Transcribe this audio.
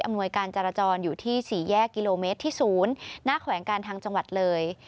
อำนวยการจารจรอยู่ที่สี่แยกกิโลเมตรที่ศูนย์หน้าแขวงการทางจังหวัดเลย